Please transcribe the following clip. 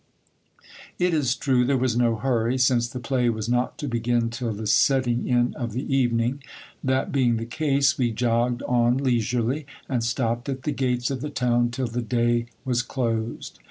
It is true, there was no hurry, since the play was not to begin till the setting in of the evening. That being the case, we jogged 011 leisurely, and stopped at the gates of the town till the day was closed.